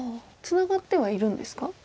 ツナがってはいるんですか？